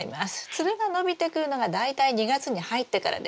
つるが伸びてくるのが大体２月に入ってからです。